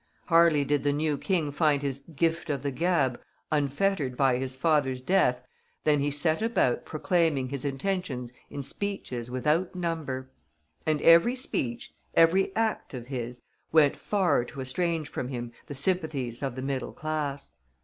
Hardly did the new King find his "gift of the gab" unfettered by his father's death than he set about proclaiming his intentions in speeches without number; and every speech, every act of his, went far to estrange from him the sympathies of the middle class.